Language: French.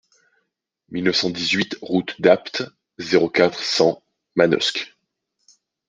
mille neuf cent dix-huit route d'Apt, zéro quatre, cent Manosque